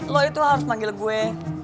lo itu harus manggil gue